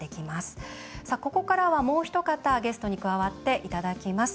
さあここからはもう一方ゲストに加わっていただきます。